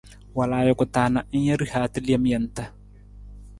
Wal ajuku ta na ng ja rihaata lem jantna.